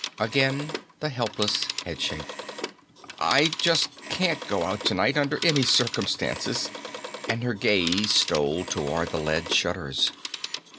Again the helpless headshake. "I just can't go out tonight, under any circumstances." And her gaze stole toward the lead shutters.